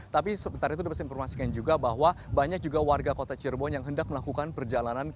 tapi sebentar itu dapat saya informasikan juga bahwa banyak juga warga kota cirebon yang hendak melakukan perjalanan